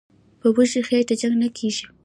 "په وږي خېټه جنګ نه کېږي".